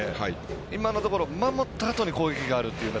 今のところ守ったあとに攻撃があるという形。